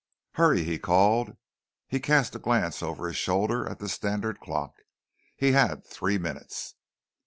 "Hurry!" he called. He cast a glance over his shoulder at the standard clock. He had three minutes.